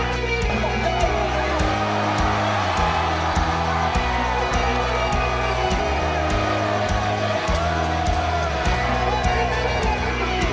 karena itu sangat beres kini loh